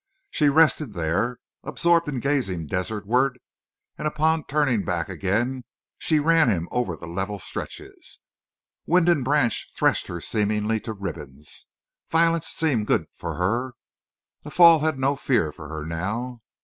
She rested there, absorbed in gazing desertward, and upon turning back again, she ran him over the level stretches. Wind and branch threshed her seemingly to ribbons. Violence seemed good for her. A fall had no fear for her now.